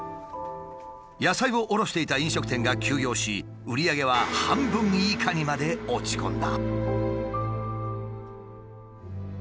野菜を卸していた飲食店が休業し売り上げは半分以下にまで落ち込んだ。